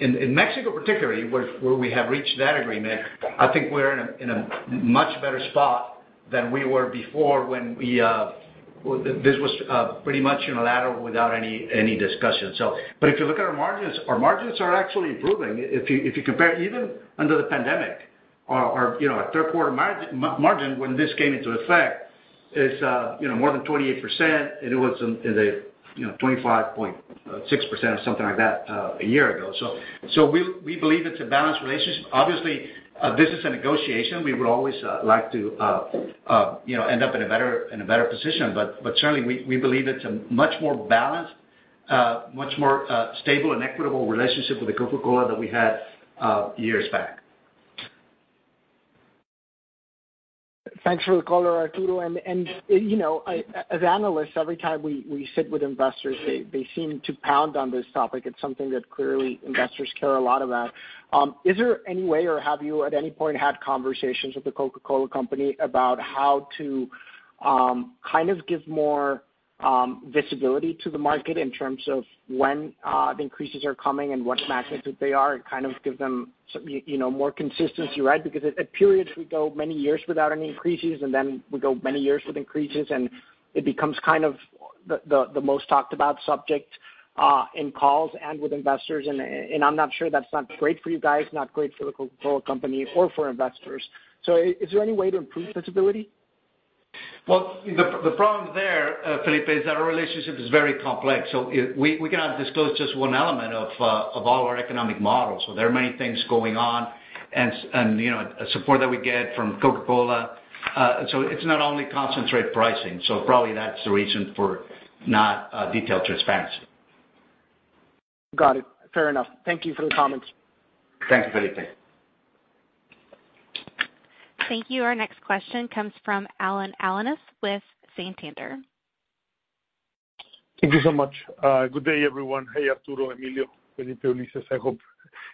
in Mexico particularly, where we have reached that agreement, I think we're in a much better spot than we were before when this was pretty much unilateral without any discussion. If you look at our margins, our margins are actually improving. If you compare even under the pandemic, our third quarter margin when this came into effect is more than 28%, and it was in the 25.6% or something like that a year ago. We believe it's a balanced relationship. Obviously, this is a negotiation. We would always like to end up in a better position. Certainly, we believe it's a much more balanced, much more stable and equitable relationship with the Coca-Cola that we had years back. Thanks for the call, Arturo. As analysts, every time we sit with investors, they seem to pound on this topic. It's something that clearly investors care a lot about. Is there any way or have you at any point had conversations with the Coca-Cola Company about how to kind of give more visibility to the market in terms of when the increases are coming and what magnitude they are. It kind of gives them more consistency, right? At periods, we go many years without any increases, and then we go many years with increases, and it becomes the most talked about subject in calls and with investors. I'm not sure that's not great for you guys, not great for the Coca-Cola Company or for investors. Is there any way to improve visibility? The problem there, Felipe, is that our relationship is very complex, so we cannot disclose just one element of all our economic models. There are many things going on and support that we get from Coca-Cola. It's not only concentrate pricing, so probably that's the reason for not detailed transparency. Got it. Fair enough. Thank you for the comments. Thank you, Felipe. Thank you. Our next question comes from Alan Alanis with Santander. Thank you so much. Good day, everyone. Hey, Arturo, Emilio. Felipe, I hope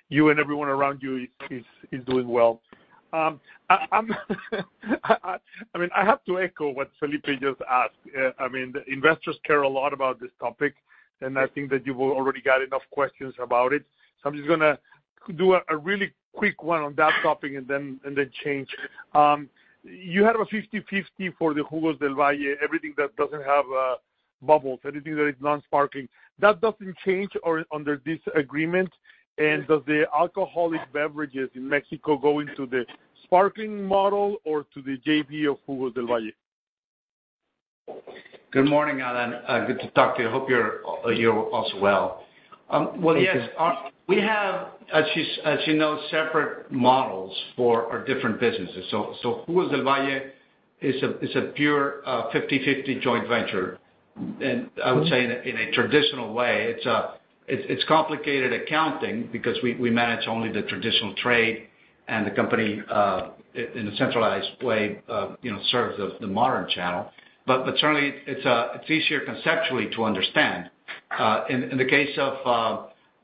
you and everyone around you is doing well. I have to echo what Felipe just asked. Investors care a lot about this topic, and I think that you already got enough questions about it. I'm just going to do a really quick one on that topic and then change. You have a 50/50 for the Jugos del Valle, everything that doesn't have bubbles, anything that is non-sparkling. That doesn't change under this agreement? Does the alcoholic beverages in Mexico go into the sparkling model or to the JV of Jugos del Valle? Good morning, Alan. Good to talk to you. Hope you're also well. Yes, we have, as you know, separate models for our different businesses. Jugos del Valle is a pure 50-50 joint venture, and I would say in a traditional way. It's complicated accounting because we manage only the traditional trade, and the company, in a centralized way, serves the modern channel. Certainly, it's easier conceptually to understand. In the case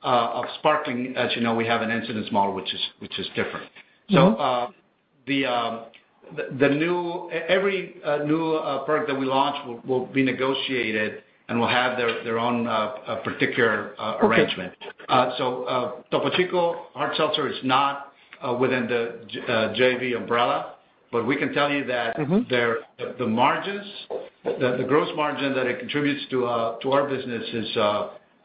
of sparkling, as you know, we have an incidence model, which is different. Every new product that we launch will be negotiated and will have their own particular arrangement. Topo Chico Hard Seltzer is not within the JV umbrella. The gross margin that it contributes to our business is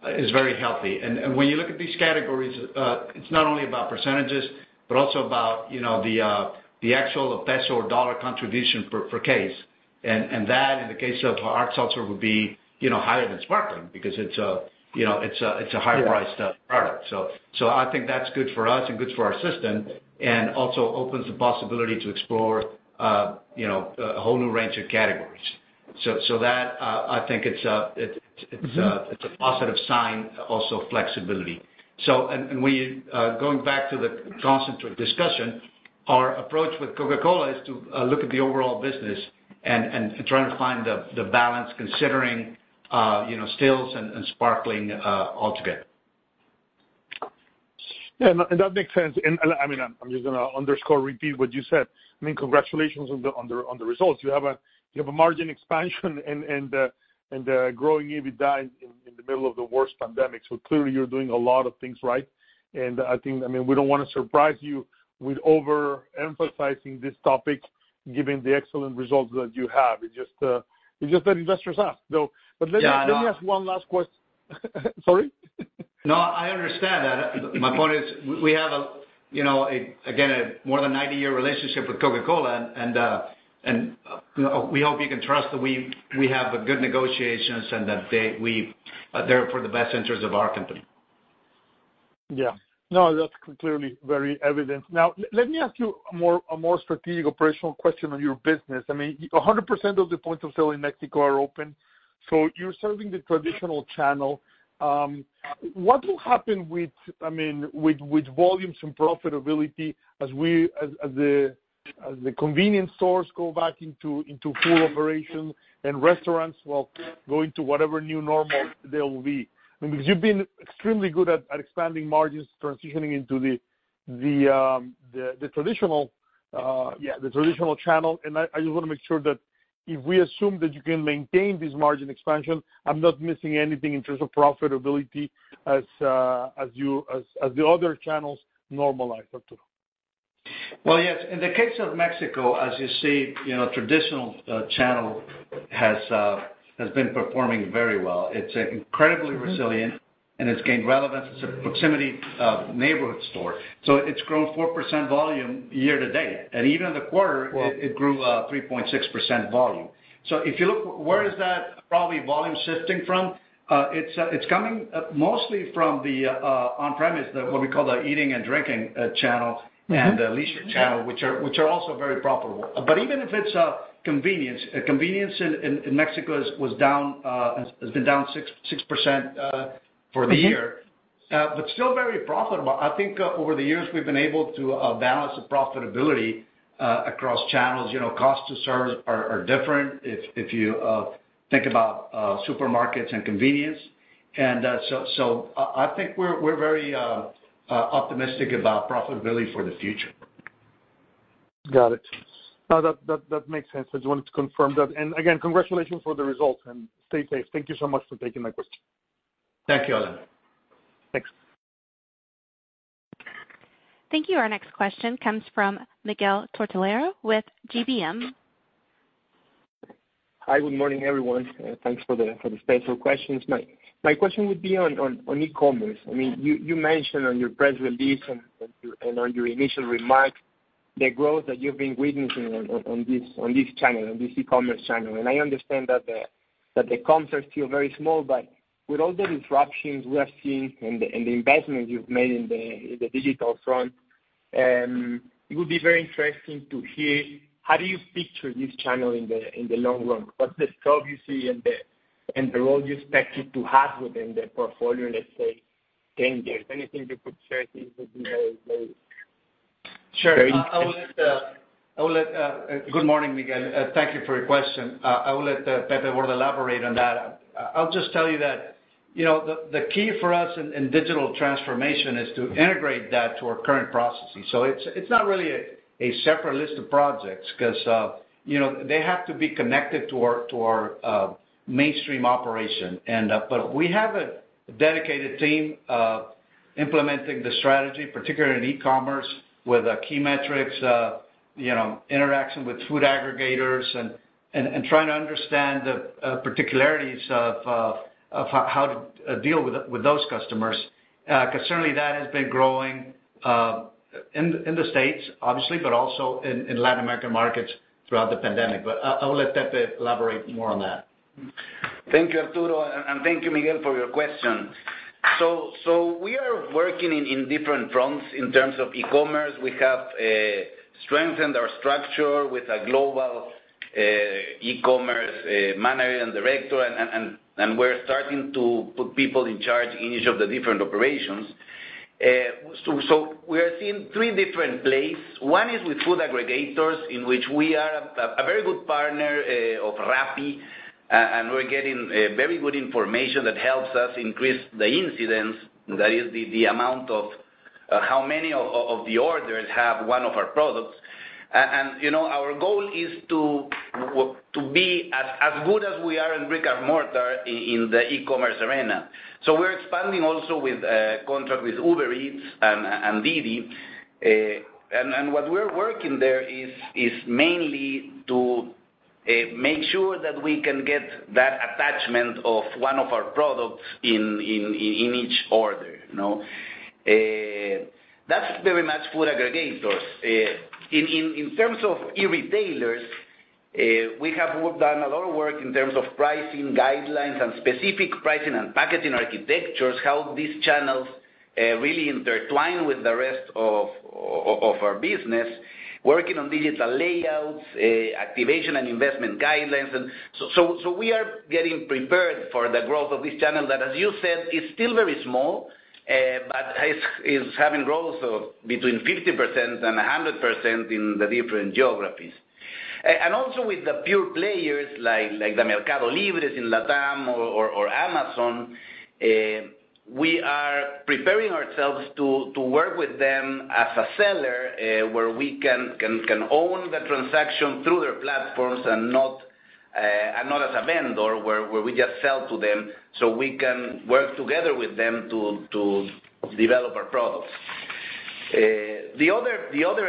very healthy. When you look at these categories, it's not only about percentage, but also about the actual peso or dollar contribution per case. That, in the case of hard seltzer, would be higher than sparkling because it's a higher priced product. I think that's good for us and good for our system and also opens the possibility to explore a whole new range of categories. That, I think it's a positive sign, also flexibility. Going back to the concentrate discussion, our approach with Coca-Cola is to look at the overall business and trying to find the balance considering stills and sparkling altogether. Yeah, that makes sense. I'm just going to underscore, repeat what you said. Congratulations on the results. You have a margin expansion and a growing EBITDA in the middle of the worst pandemic, clearly you're doing a lot of things right. We don't want to surprise you with over-emphasizing this topic, given the excellent results that you have. It's just that investors ask, though. Let me ask one last. Sorry? No, I understand that. My point is, we have, again, a more than 90-year relationship with Coca-Cola, and we hope you can trust that we have good negotiations and that they're for the best interest of our company. Yeah. No, that's clearly very evident. Let me ask you a more strategic operational question on your business. 100% of the points of sale in Mexico are open, you're serving the traditional channel. What will happen with volumes and profitability as the convenience stores go back into full operation and restaurants will go into whatever new normal there will be? You've been extremely good at expanding margins, transitioning into the traditional channel, and I just want to make sure that if we assume that you can maintain this margin expansion, I'm not missing anything in terms of profitability as the other channels normalize, Arturo. Well, yes. In the case of Mexico, as you see, traditional channel has been performing very well. It's incredibly resilient, and it's gained relevance. It's a proximity neighborhood store. It's grown four percent volume year to date. Even in the quarter, it grew three point six percent volume. If you look, where is that probably volume shifting from? It's coming mostly from the on-premise, what we call the eating and drinking channel and the leisure channel, which are also very profitable. Even if it's convenience. Convenience in Mexico has been down six percent for the year. Still very profitable. I think over the years, we've been able to balance the profitability across channels. Costs to serve are different, if you think about supermarkets and convenience. I think we're very optimistic about profitability for the future. Got it. No, that makes sense. I just wanted to confirm that. Again, congratulations for the results, and stay safe. Thank you so much for taking my question. Thank you, Alan. Thanks. Thank you. Our next question comes from Miguel Tortolero with GBM. Hi. Good morning, everyone. Thanks for the space for questions. My question would be on e-commerce. You mentioned on your press release and on your initial remarks the growth that you've been witnessing on this channel, on this e-commerce channel. I understand that the comps are still very small, but with all the disruptions we are seeing and the investments you've made in the digital front, it would be very interesting to hear how do you picture this channel in the long run? What's the scope you see and the role you expect it to have within the portfolio, let's say, 10 years? Anything you could share, it would be very interesting. Sure. Good morning, Miguel. Thank you for your question. I will let Pepe elaborate on that. I'll just tell you that the key for us in digital transformation is to integrate that to our current processes. It's not really a separate list of projects because they have to be connected to our mainstream operation. We have a dedicated team implementing the strategy, particularly in e-commerce, with key metrics, interaction with food aggregators, and trying to understand the particularities of how to deal with those customers. Certainly that has been growing, in the U.S., obviously, but also in Latin American markets throughout the pandemic. I will let Pepe elaborate more on that. Thank you, Arturo, and thank you, Miguel, for your question. We are working in different fronts in terms of e-commerce. We have strengthened our structure with a global e-commerce manager and director, and we're starting to put people in charge in each of the different operations. We are seeing three different place. One is with food aggregators, in which we are a very good partner of Rappi, and we're getting very good information that helps us increase the incidence, that is the amount of how many of the orders have one of our products. Our goal is to be as good as we are in brick-and-mortar in the e-commerce arena. We're expanding also with a contract with Uber Eats and DiDi. What we're working there is mainly to make sure that we can get that attachment of one of our products in each order. That's very much food aggregators. In terms of e-retailers, we have done a lot of work in terms of pricing guidelines and specific pricing and packaging architectures, how these channels really intertwine with the rest of our business, working on digital layouts, activation and investment guidelines. We are getting prepared for the growth of this channel that, as you said, is still very small, but is having growth of between 50% and 100% in the different geographies. Also with the pure players like the MercadoLibre in LATAM or Amazon, we are preparing ourselves to work with them as a seller, where we can own the transaction through their platforms and not as a vendor where we just sell to them, so we can work together with them to develop our products. The other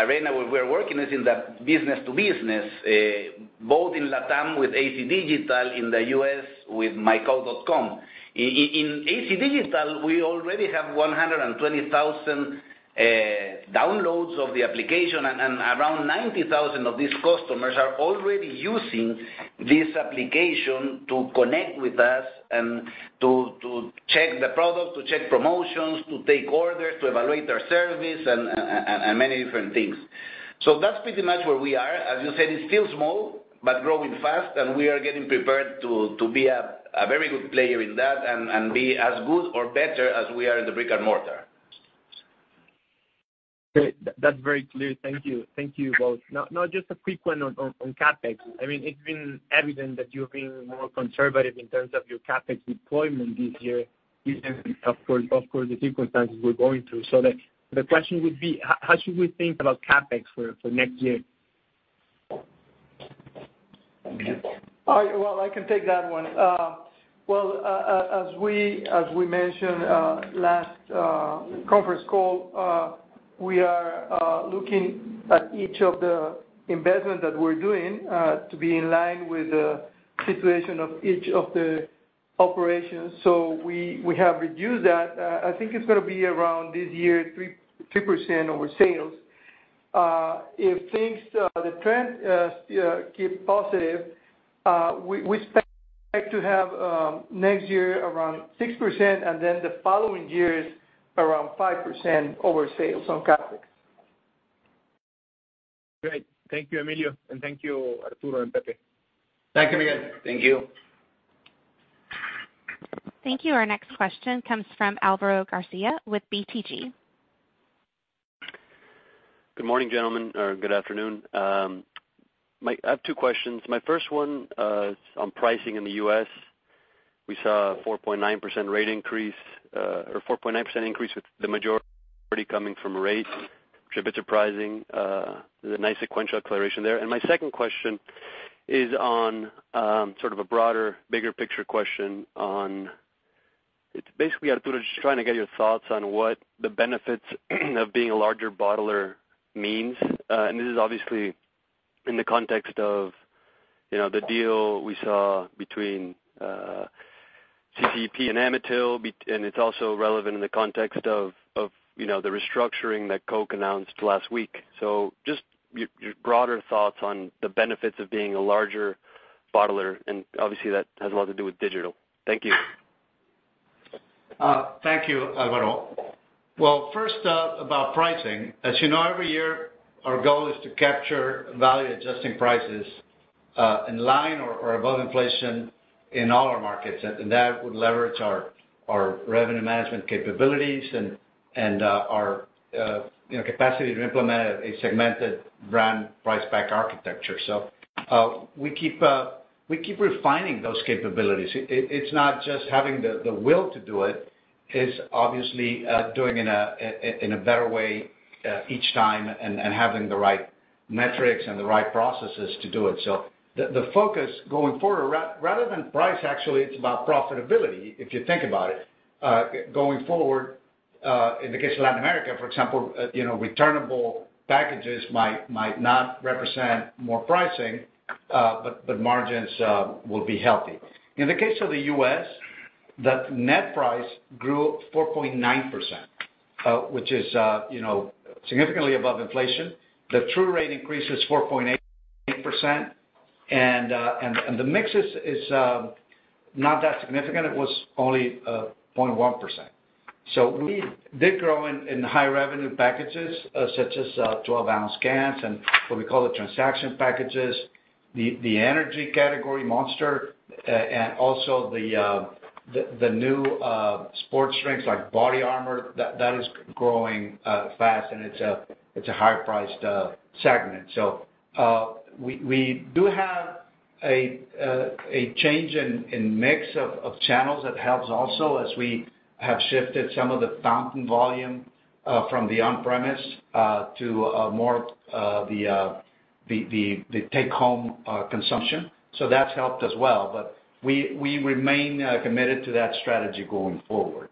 arena where we're working is in the B2B, both in LATAM with AC Digital, in the U.S. with mycoke.com. In AC Digital, we already have 120,000 downloads of the application, and around 90,000 of these customers are already using this application to connect with us and to check the product, to check promotions, to take orders, to evaluate our service, and many different things. That's pretty much where we are. As you said, it's still small, but growing fast, and we are getting prepared to be a very good player in that and be as good or better as we are in the brick-and-mortar. Great. That's very clear. Thank you. Thank you both. Just a quick one on CapEx. It's been evident that you're being more conservative in terms of your CapEx deployment this year given, of course, the circumstances we're going through. The question would be, how should we think about CapEx for next year? Well, I can take that one. Well, as we mentioned last conference call, we are looking at each of the investment that we're doing to be in line with the situation of each of the operations. We have reduced that. I think it's going to be around this year, three percent over sales. If the trend keeps positive, we expect to have next year around six percent and then the following years around five percent over sales on CapEx. Great. Thank you, Emilio, and thank you, Arturo and Pepe. Thank you, Miguel. Thank you. Thank you. Our next question comes from Alvaro Garcia with BTG. Good morning, gentlemen, or good afternoon. I have two questions. My first one is on pricing in the U.S. We saw a four point nine percent rate increase, or four point nine percent increase, with the majority coming from rates, which have been surprising. There's a nice sequential acceleration there. My second question is on sort of a broader, bigger picture question basically, Arturo, just trying to get your thoughts on what the benefits of being a larger bottler means. This is obviously in the context of the deal we saw between CCEP and Amatil, and it's also relevant in the context of the restructuring that Coke announced last week. Just your broader thoughts on the benefits of being a larger bottler, and obviously that has a lot to do with digital. Thank you. Thank you, Alvaro. Well, first, about pricing. As you know, every year, our goal is to capture value-adjusting prices in line or above inflation in all our markets. That would leverage our revenue management capabilities and our capacity to implement a segmented brand price pack architecture. We keep refining those capabilities. It's not just having the will to do it's obviously doing it in a better way each time and having the right metrics and the right processes to do it. The focus going forward, rather than price, actually, it's about profitability, if you think about it. Going forward, in the case of Latin America, for example, returnable packages might not represent more pricing, but margins will be healthy. In the case of the U.S., the net price grew four point nine percent, which is significantly above inflation. The true rate increase is four point eight percent. The mix is not that significant. It was only point one percent. We did grow in high-revenue packages, such as 12-ounce cans and what we call the transaction packages. The energy category, Monster, and also the new sports drinks, like BODYARMOR, that is growing fast, and it's a higher-priced segment. We do have a change in mix of channels that helps also as we have shifted some of the fountain volume from the on-premise to more of the take-home consumption. That's helped as well. We remain committed to that strategy going forward.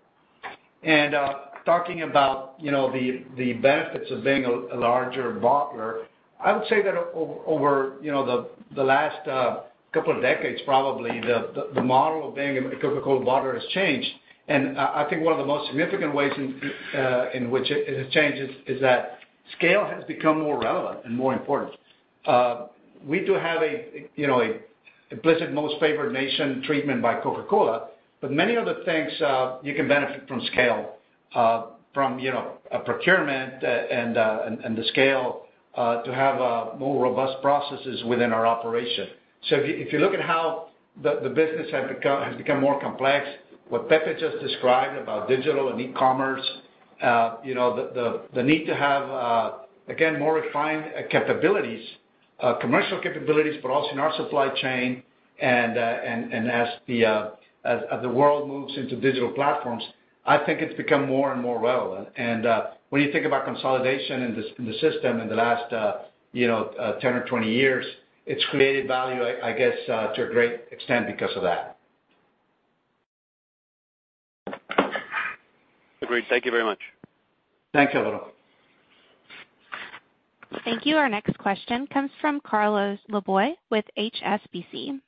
Talking about the benefits of being a larger bottler, I would say that over the last couple of decades, probably, the model of being a Coca-Cola bottler has changed. I think one of the most significant ways in which it has changed is that scale has become more relevant and more important. We do have an implicit most favored nation treatment by Coca-Cola, but many other things you can benefit from scale, from a procurement and the scale to have more robust processes within our operation. If you look at how the business has become more complex, what Pepe just described about digital and e-commerce, the need to have, again, more refined capabilities, commercial capabilities, but also in our supply chain. As the world moves into digital platforms, I think it's become more and more relevant. When you think about consolidation in the system in the last 10 or 20 years, it's created value, I guess, to a great extent because of that. Agreed. Thank you very much. Thank you, Alvaro. Thank you. Our next question comes from Carlos Laboy with HSBC.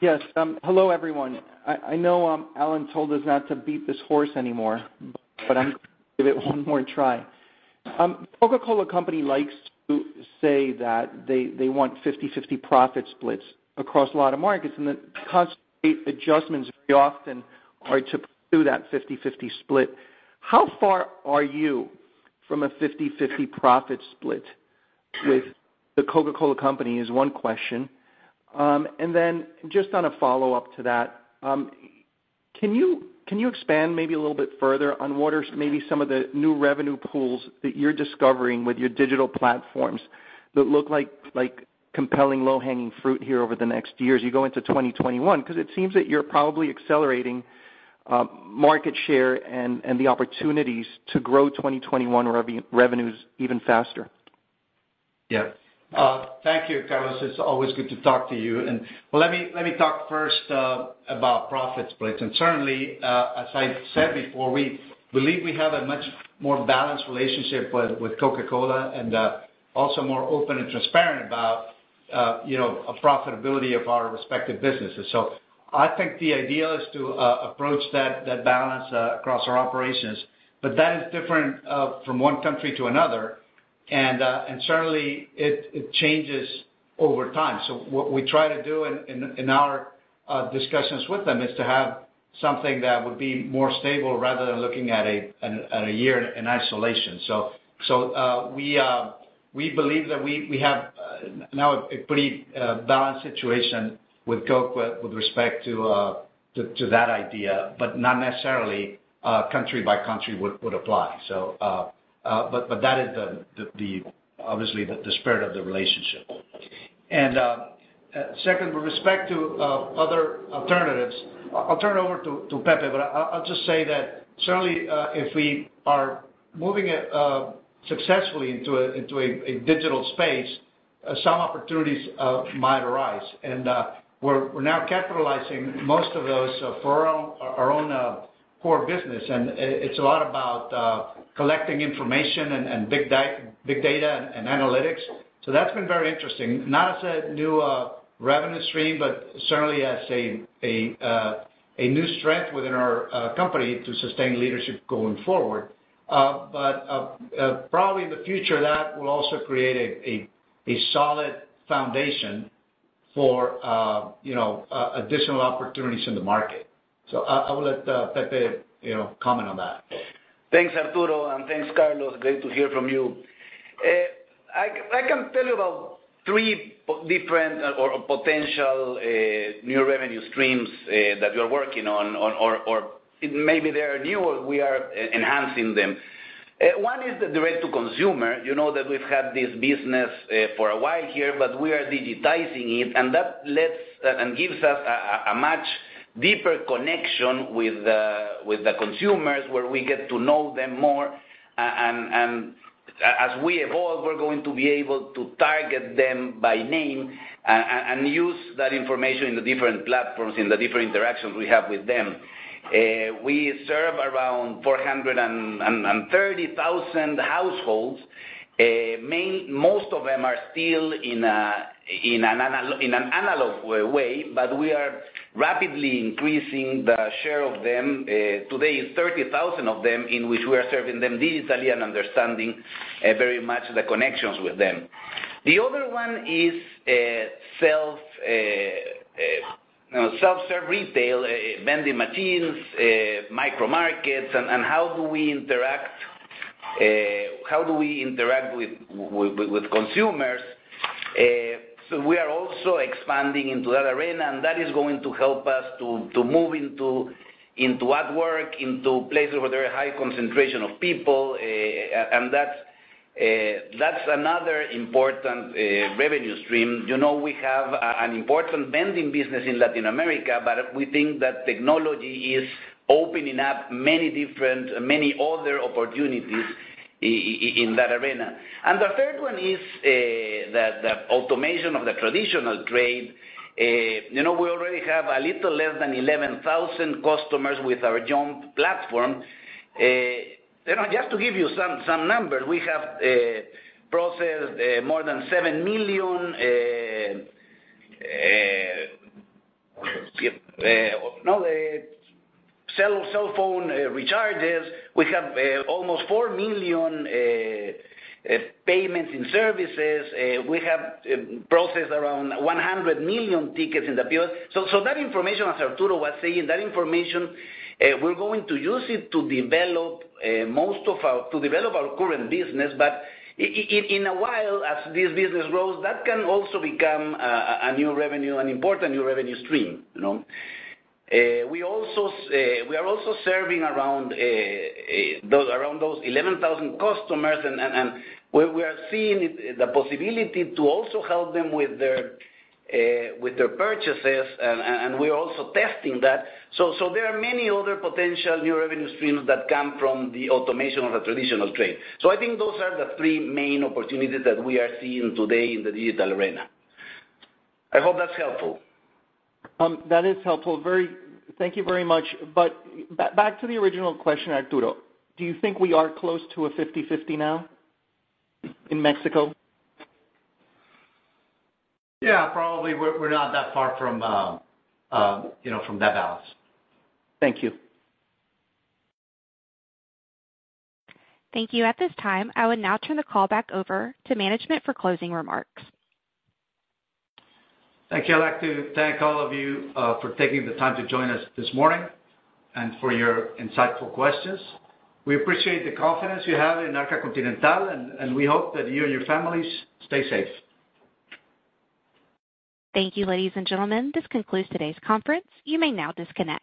Yes. Hello, everyone. I know Alan told us not to beat this horse anymore, but I'm going to give it one more try. Coca-Cola Company likes to say that they want 50/50 profit splits across a lot of markets, and the cost adjustments very often are to do that 50/50 split. How far are you from a 50/50 profit split with the Coca-Cola Company, is one question. Then just on a follow-up to that, can you expand maybe a little bit further on what are maybe some of the new revenue pools that you're discovering with your digital platforms that look like compelling low-hanging fruit here over the next years you go into 2021? Because it seems that you're probably accelerating market share and the opportunities to grow 2021 revenues even faster. Yeah. Thank you, Carlos. It's always good to talk to you. Well, let me talk first about profit splits. Certainly, as I said before, we believe we have a much more balanced relationship with Coca-Cola and also more open and transparent about profitability of our respective businesses. I think the idea is to approach that balance across our operations. That is different from one country to another. Certainly, it changes over time. What we try to do in our discussions with them is to have something that would be more stable rather than looking at a year in isolation. We believe that we have now a pretty balanced situation with Coke with respect to that idea, but not necessarily country by country would apply. That is obviously the spirit of the relationship. Second, with respect to other alternatives, I'll turn it over to Pepe, but I'll just say that certainly if we are moving it successfully into a digital space, some opportunities might arise. We're now capitalizing most of those for our own core business. It's a lot about collecting information and big data and analytics. That's been very interesting, not as a new revenue stream, but certainly as a new strength within our company to sustain leadership going forward. Probably in the future, that will also create a solid foundation for additional opportunities in the market. I will let Pepe comment on that. Thanks, Arturo, and thanks, Carlos. Great to hear from you. I can tell you about three different or potential new revenue streams that we're working on, or maybe they are new or we are enhancing them. One is the direct to consumer. You know that we've had this business for a while here, but we are digitizing it, and that lets and gives us a much deeper connection with the consumers, where we get to know them more. As we evolve, we're going to be able to target them by name and use that information in the different platforms, in the different interactions we have with them. We serve around 430,000 households. Most of them are still in an analog way, but we are rapidly increasing the share of them. Today, it's 30,000 of them in which we are serving them digitally and understanding very much the connections with them. The other one is self-serve retail, vending machines, micro markets, and how do we interact with consumers. We are also expanding into that arena, and that is going to help us to move into at work, into places where there are high concentration of people. That's another important revenue stream. We have an important vending business in Latin America, but we think that technology is opening up many other opportunities in that arena. The third one is the automation of the traditional trade. We already have a little less than 11,000 customers with our Jump platform. Just to give you some numbers, we have processed more than seven million cell phone recharges. We have almost four million payments in services. We have processed around 100 million tickets in the bills. That information, as Arturo was saying, that information, we're going to use it to develop our current business. In a while, as this business grows, that can also become an important new revenue stream. We are also serving around those 11,000 customers, and we are seeing the possibility to also help them with their purchases, and we're also testing that. There are many other potential new revenue streams that come from the automation of the traditional trade. I think those are the three main opportunities that we are seeing today in the digital arena. I hope that's helpful. That is helpful. Thank you very much. Back to the original question, Arturo, do you think we are close to a 50/50 now in Mexico? Yeah, probably we're not that far from that balance. Thank you. Thank you. At this time, I would now turn the call back over to management for closing remarks. Thank you. I'd like to thank all of you for taking the time to join us this morning and for your insightful questions. We appreciate the confidence you have in Arca Continental, and we hope that you and your families stay safe. Thank you, ladies and gentlemen. This concludes today's conference. You may now disconnect.